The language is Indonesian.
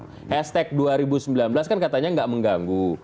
ketika dua ribu sembilan belas kan katanya gak mengganggu